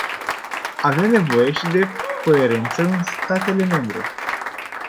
Avem nevoie și de coerență în statele membre.